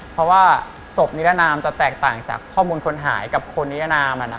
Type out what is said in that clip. เพราะว่าศพนิรนามจะแตกต่างจากข้อมูลคนหายกับคนนิรนาม